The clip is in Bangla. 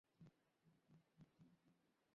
স্যার, প্লিজ বাতিল করুন।